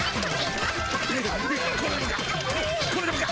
これでもか！